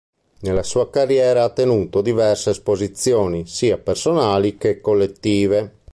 Nella sua carriera ha tenuto diverse esposizioni, sia personali che collettive.